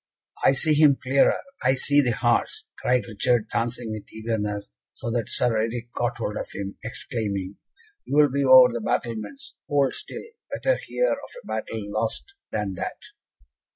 "I see him clearer! I see the horse," cried Richard, dancing with eagerness, so that Sir Eric caught hold of him, exclaiming, "You will be over the battlements! hold still! better hear of a battle lost than that!"